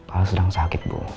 al sedang sakit bu